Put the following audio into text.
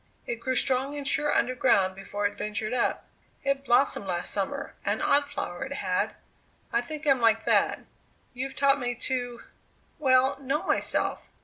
It grew strong and sure underground before it ventured up. It blossomed last summer; an odd flower it had. I think I am like that. You've taught me to well, know myself.